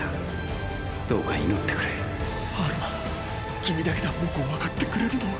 アルマ君だけだ僕をわかってくれるのは。